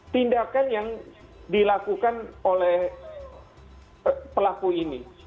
tindakan yang dilakukan oleh pelaku ini